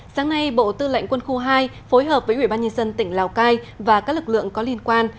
sáng nay bộ tư lệnh quân khu hai phối hợp với ubnd tỉnh lào cai và các lực lượng có liên quan